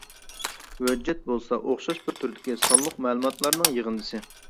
ھۆججەت بولسا ئوخشاش بىر تۈردىكى سانلىق مەلۇماتلارنىڭ يىغىندىسى.